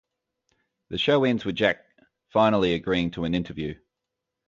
The show ends with Jack finally agreeing to an interview.